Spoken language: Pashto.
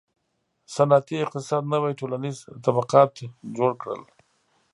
• صنعتي اقتصاد نوي ټولنیز طبقات جوړ کړل.